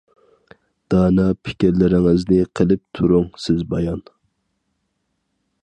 دانا پىكىرلىرىڭىزنى، قىلىپ تۇرۇڭ سىز بايان.